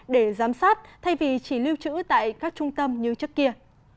để giám sát thay vì chỉ lưu trữ tại các trung tâm như trước kia